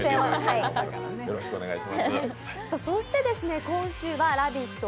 そして、今週は「ラヴィット！」